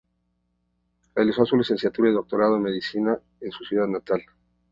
Realizó su licenciatura y doctorado en medicina en su ciudad natal.